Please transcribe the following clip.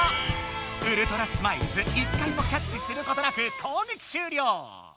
ウルトラスマイルズ１回もキャッチすることなくこうげきしゅうりょう！